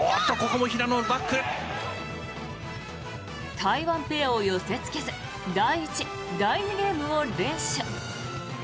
台湾ペアを寄せつけず第１、第２ゲームを連取。